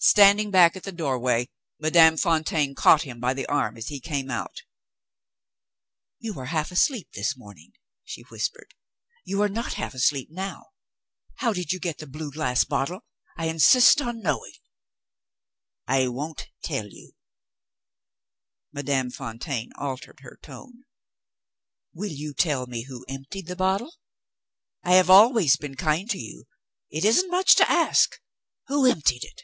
Standing back at the doorway, Madame Fontaine caught him by the arm as he came out. "You were half asleep this morning," she whispered. "You are not half asleep now. How did you get the blue glass bottle? I insist on knowing." "I won't tell you!" Madame Fontaine altered her tone. "Will you tell me who emptied the bottle? I have always been kind to you it isn't much to ask. Who emptied it?"